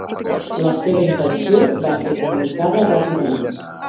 La seva intenció va ser comunicada ràpidament.